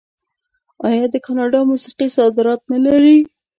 آیا د کاناډا موسیقي صادرات نلري؟